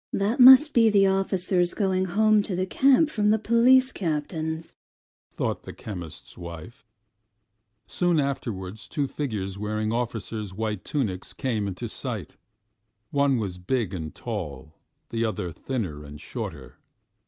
"That must be the officers going home to the camp from the Police Captain's," thought the chemist's wife. Soon afterwards two figures wearing officers' white tunics came into sight: one big and tall, the other thinner and shorter.